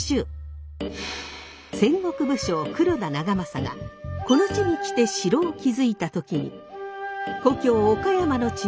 戦国武将黒田長政がこの地に来て城を築いた時に故郷岡山の地名